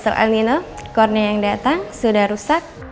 so i'll need a corner yang datang sudah rusak